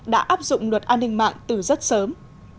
đã áp dụng luật an ninh mạng từ rất sớm